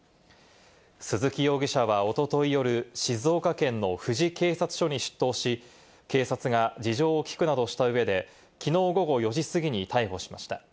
鈴木容疑者はおととい夜、静岡県の富士警察署に出頭し、警察が事情を聞くなどした上で、きのう午後４時過ぎに逮捕しました。